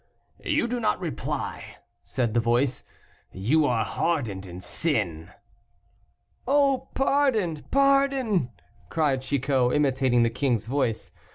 "You do not reply," said the voice; "you are hardened in sin." "Oh! pardon! pardon!" cried Chicot, imitating the king's voice.